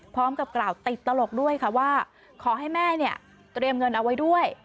พร้อมกับกล่าวติดตลกด้วยค่ะว่าขอให้แม่เนี่ยเตรียมเงินเอาไว้ด้วย